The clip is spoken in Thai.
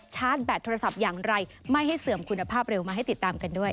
ชาร์จแบตโทรศัพท์อย่างไรไม่ให้เสื่อมคุณภาพเร็วมาให้ติดตามกันด้วย